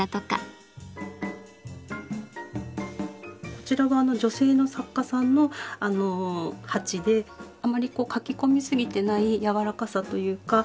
こちらは女性の作家さんの鉢であまり描き込みすぎてない柔らかさというか。